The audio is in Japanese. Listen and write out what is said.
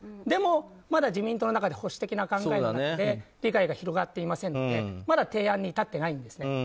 でも、まだ自民党の中で保守的な考えがあるので理解が広がっていませんのでまだ提案に至っていないんですね。